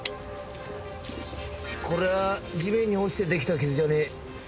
これは地面に落ちて出来た傷じゃねえ。